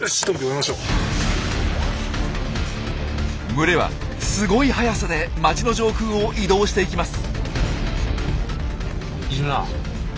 群れはすごい速さで街の上空を移動していきます。